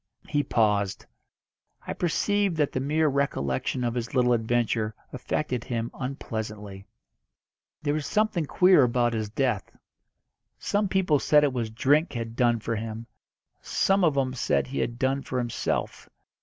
He paused. I perceived that the mere recollection of his little adventure affected him unpleasantly. "There was something queer about his death. Some people said it was drink had done for him, some of 'em said he had done for himself.